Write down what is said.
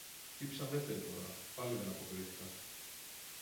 Χτύπησαν δεύτερη φορά, πάλι δεν αποκρίθηκαν.